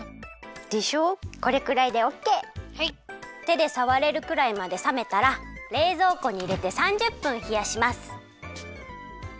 てでさわれるくらいまでさめたられいぞうこにいれて３０分ひやします。